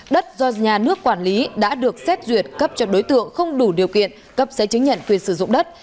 đất do nhà nước quản lý đã được xét duyệt cấp cho đối tượng không đủ điều kiện cấp giấy chứng nhận quyền sử dụng đất